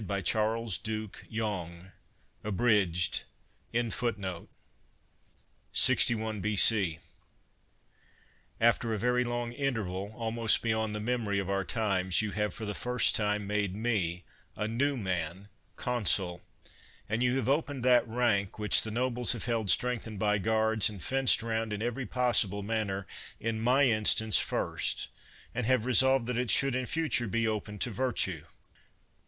II IN OPPOSITION TO A NEW AGRARIAN LAW^ <61 B.C.) After a very long interval, almost beyond the memory of our times, you have for the first time made me, a new man, consul; and you have opened that rank which the nobles have held strengthened by guards, and fenced round in every possible manner, in my instance first, and have resolved that it should in future be open to virtue.